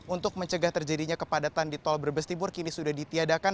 untuk mencegah terjadinya kepadatan di tol brebes timur kini sudah ditiadakan